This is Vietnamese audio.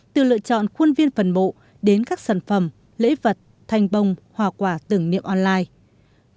từ lựa chọn khuôn viên phần mộ đến các sản phẩm lễ vật thanh bông hòa quả từng niệm online